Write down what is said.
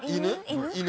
犬？